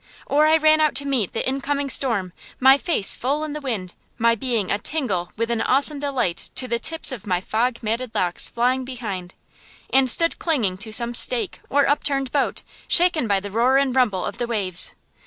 Or I ran out to meet the incoming storm, my face full in the wind, my being a tingle with an awesome delight to the tips of my fog matted locks flying behind; and stood clinging to some stake or upturned boat, shaken by the roar and rumble of the waves.